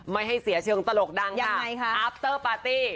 ไม่ให้เสียเชิงตลกดังยังไงคะอาฟเตอร์ปาร์ตี้